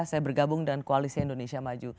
saya bergabung dengan koalisi indonesia maju